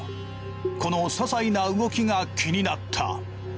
このささいな動きが気になった。